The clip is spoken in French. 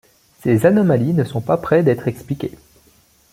Ces anomalies ne sont pas près d'être expliquées.